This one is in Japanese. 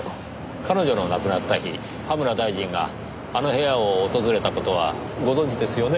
彼女の亡くなった日葉村大臣があの部屋を訪れた事はご存じですよね？